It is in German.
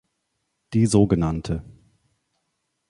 Die sogenannte.